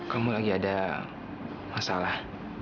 kamu lagi ada masalah